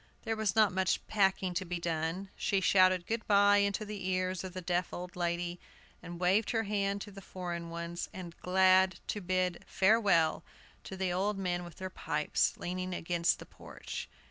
There was not much packing to be done. She shouted good by into the ears of the deaf old lady, and waved her hand to the foreign one, and glad to bid farewell to the old men with their pipes, leaning against the porch.